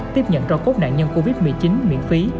tiếp nhận cho cốt nạn nhân covid một mươi chín miễn phí